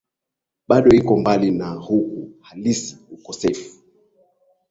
bado iko mbali na ukuu halisi Ukosefu